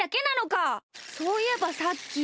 そういえばさっき。